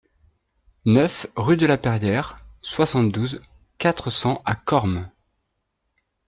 neuf rue de La Perrière, soixante-douze, quatre cents à Cormes